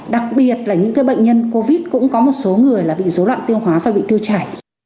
đặc biệt là những cái bệnh nhân covid cũng có một số người là bị dấu loạn tiêu hóa và bị tiêu chảy